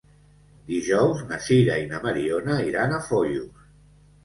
Dijous na Sira i na Mariona iran a Foios.